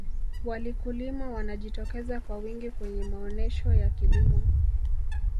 walikulima wanajitokeza kwa wingi kwenye maonesho ya kilimo